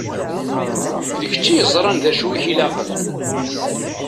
D kečč i yeẓṛan d acu i k-ilaqen.